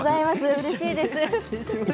うれしいです。